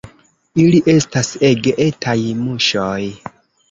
Ili estas ege etaj muŝoj.